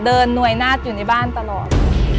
หน่วยนาฏอยู่ในบ้านตลอด